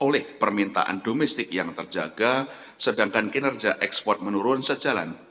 oleh permintaan domestik yang terjaga sedangkan kinerja ekspor menurun sejalan